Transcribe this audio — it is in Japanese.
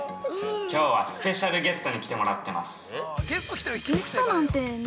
きょうはスペシャルゲストに来てもらってます！